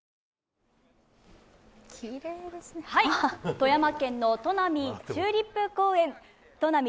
富山県の砺波チューリップ公園、となみ